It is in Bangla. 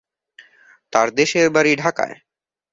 তার দেশের বাড়ি ঢাকায়।